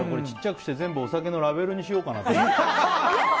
ちっちゃくして全部お酒のラベルにしようかなって。